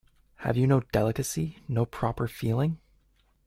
Have you no delicacy, no proper feeling?